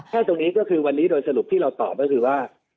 แค่ตรงนี้ก็คือวันนี้โดยสรุปที่เราตอบก็คือว่า